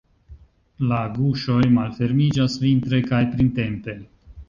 La guŝoj malfermiĝas vintre kaj printempe.